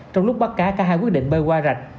trong lúc bắt cá cả hai quyết định bơi qua rạch